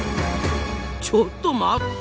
ちょっと待った！